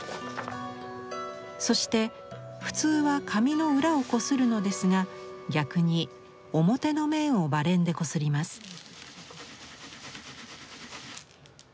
そして普通は紙の裏をこするのですが逆に表の面をバレンでこすります。